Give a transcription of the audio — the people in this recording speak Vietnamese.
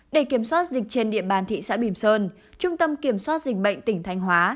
để kiểm soát dịch trên địa bàn thị xã bìm sơn trung tâm kiểm soát dịch bệnh tỉnh thanh hóa